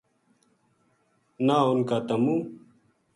نہ اُنھ کا تمو